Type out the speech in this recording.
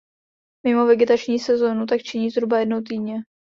Mimo vegetační sezónu tak činí zhruba jednou týdně.